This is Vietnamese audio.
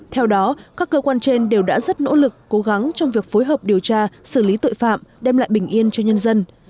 theo đó các cơ quan trên đều đã rất nỗ lực cố gắng trong việc phối hợp điều tra xử lý tội phạm đem lại bình yên cho nhân dân